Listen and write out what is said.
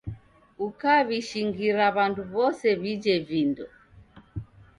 Ukaw'ishingira w'andu wose w'ije vindo